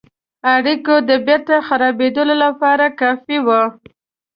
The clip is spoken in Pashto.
اړېکو د بیرته خرابېدلو لپاره کافي وه.